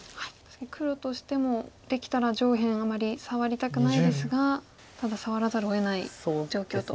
黒としてもできたら上辺あまり触りたくないですがただ触らざるをえない状況と。